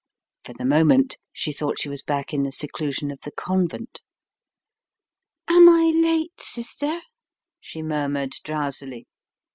For the moment she thought she was back in the se clusion of the convent, "Am I late, sister?" she murmured drowsily.